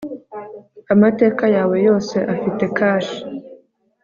amateka yawe yose afite kashe